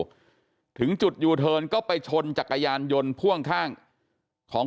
อยู่ถึงจุดยูเทิร์นก็ไปชนจักรยานยนต์พ่วงข้างของ